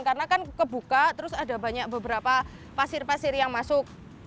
karena kan kebuka terus ada banyak beberapa pasir pasir yang masuk